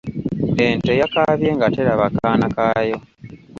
Ente yakaabye nga teraba kaana kayo.